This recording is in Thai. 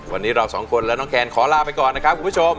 วันนี้เราสองคนและน้องแคนขอลาไปก่อนนะครับคุณผู้ชม